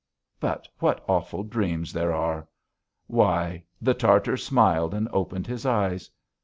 But what awful dreams there are! Why? The Tartar smiled and opened his eyes.